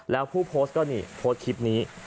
แล้วผู้โพสต์ก็นี่โพสต์คลิปนี้